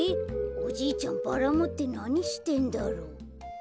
おじいちゃんバラもってなにしてんだろう。